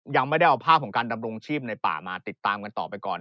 ยังไม่ได้เอาภาพของการดำรงชีพในป่ามาติดตามกันต่อไปก่อน